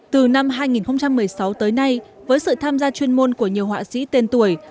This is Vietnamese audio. từ năm hai nghìn một mươi sáu tới nay với sự tham gia chuyên môn của nhiều họa sĩ tên tuổi